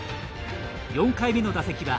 ４回目の打席は８回表。